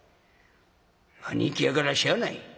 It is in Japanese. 兄貴やからしゃあない。